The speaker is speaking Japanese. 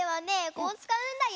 こうつかうんだよ。